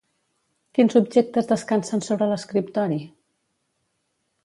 Quins objectes descansen sobre l'escriptori?